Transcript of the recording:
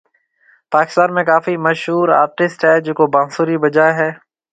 پاڪستان ۾ ڪافي مشھور ارٽسٽ ھيَََ جڪو بانسري بجائي ھيَََ